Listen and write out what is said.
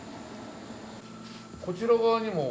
こちら側にも。